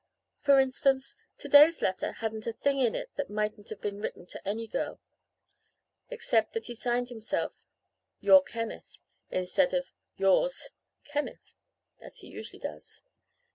For instance to day's letter hadn't a thing in it that mightn't have been written to any girl, except that he signed himself 'Your Kenneth,' instead of 'Yours, Kenneth,' as he usually does.